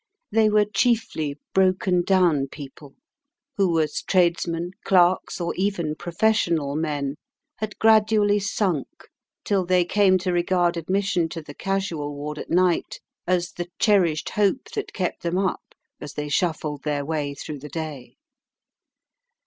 They were chiefly broken down people, who, as tradesmen, clerks, or even professional men, had gradually sunk till they came to regard admission to the casual ward at night as the cherished hope that kept them up as they shuffled their way through the day.